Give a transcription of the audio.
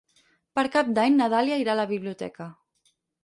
Per Cap d'Any na Dàlia irà a la biblioteca.